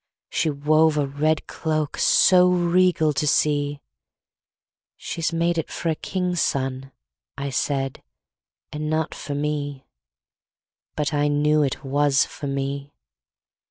She wove a red cloak So regal to see, "She's made it for a king's son," I said, "and not for me." But I knew it was for me.